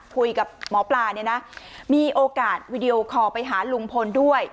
คุยกับหมอปลาเนี่ยนะมีโอกาสวีดีโอคอลไปหาลุงพลด้วย